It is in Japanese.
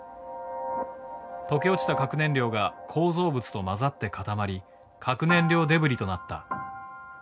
溶け落ちた核燃料が構造物と混ざって固まり核燃料デブリとなった。